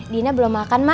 dina belum makan ma